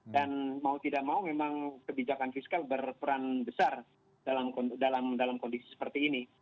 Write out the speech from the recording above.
dan mau tidak mau memang kebijakan fiskal berperan besar dalam kondisi seperti ini